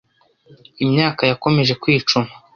Imyaka yakomeje kwicuma